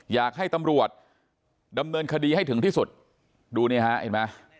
อยากให้ตำรวจดำเนินคดีให้ถึงที่สุดดูนี่ฮะเห็นไหม